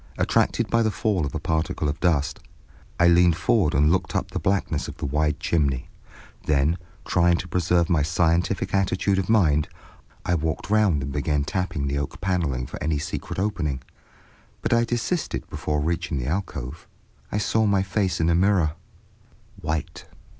Attracted by the fall of a particle of dust, I leaned forward and looked up the blackness of the wide chimney. Then, trying to preserve my scientific attitude of mind, I walked round and began tapping the oak paneling for any secret opening, but I desisted before reaching the alcove. I saw my face in a mirror—white.